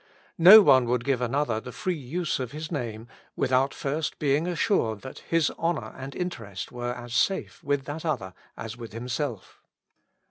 No one would give another the free use of his name without first being assured that his honor and interest were as safe with that other as with himself.